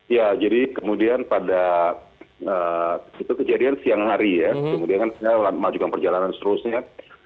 ya jadi kemudian pada itu kejadian siang hari ya kemudian saya melakukan perjalanan selanjutnya